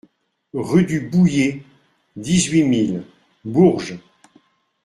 Rue du Bouillet, dix-huit mille Bourges